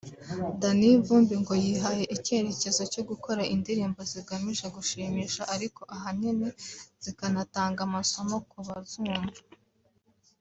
Danny Vumbi ngo yihaye icyerekezo cyo gukora indirimbo zigamije gushimisha ariko ahanini zikanatanga amasomo ku bazumva